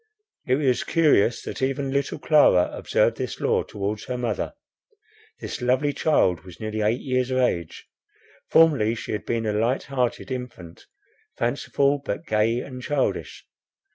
It was curious that even little Clara observed this law towards her mother. This lovely child was nearly eight years of age. Formerly she had been a light hearted infant, fanciful, but gay and childish.